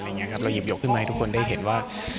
เราหยิบยกขึ้นมาให้ทุกคนได้เห็นว่า